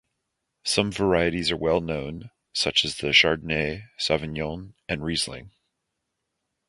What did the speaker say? Some varieties are well-known, such as the Chardonnay, Sauvignon, and Riesling.